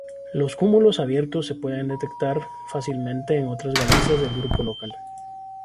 Los cúmulos abiertos se pueden detectar fácilmente en otras galaxias del Grupo Local.